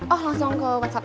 oh langsung ke pak sat